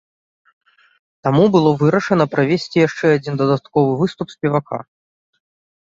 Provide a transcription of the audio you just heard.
Таму было вырашана правесці яшчэ адзін дадатковы выступ спевака.